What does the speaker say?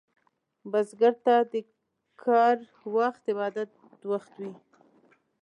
بزګر ته د کر وخت عبادت وخت دی